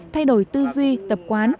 thay đổi tư duy tập quán